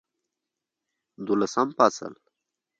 دولسم فصل